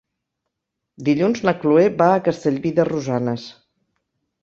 Dilluns na Cloè va a Castellví de Rosanes.